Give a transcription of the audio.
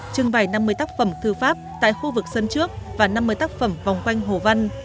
trưng bày năm mươi tác phẩm thư pháp tại khu vực sân trước và năm mươi tác phẩm vòng quanh hồ văn